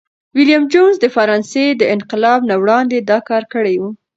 ویلیم جونز د فرانسې د انقلاب نه وړاندي دا کار کړی و.